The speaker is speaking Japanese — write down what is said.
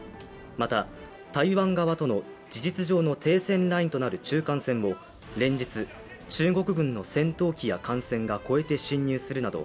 また台湾側との事実上の停戦ラインとなる中間線を連日中国軍の戦闘機や艦船が越えて侵入するなど